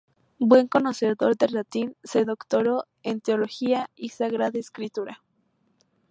Buen conocedor del latín, se doctoró en Teología y Sagrada Escritura.